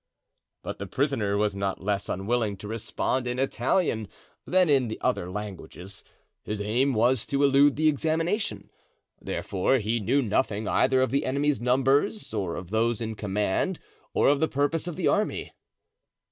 But the prisoner was not less unwilling to respond in Italian than in the other languages; his aim was to elude the examination. Therefore, he knew nothing either of the enemy's numbers, or of those in command, or of the purpose of the army.